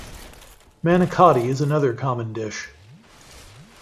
Manicotti is another common dish.